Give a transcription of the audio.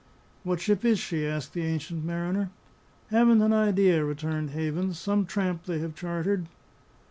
"What ship is she?" asked the ancient mariner. "Haven't an idea," returned Havens. "Some tramp they have chartered."